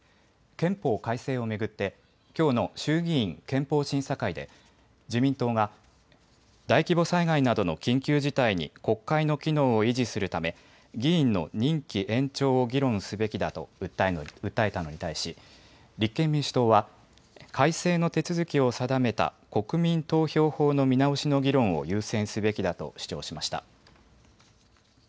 憲法改正を巡ってきょうの衆議院憲法審査会で自民党が大規模災害などの緊急事態に国会の機能を維持するため議員の任期延長を議論すべきだと訴えたのに対し立憲民主党は改正の手続きを定めた国民投票法の見直しの議論を優先すべきだと主張しました。